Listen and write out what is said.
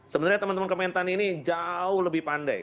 sebenarnya teman teman kementan ini jauh lebih pandai